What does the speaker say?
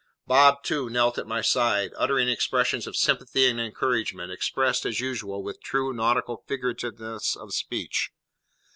Bob, too, knelt at my side, uttering expressions of sympathy and encouragement, expressed, as usual, with true nautical figurativeness of speech.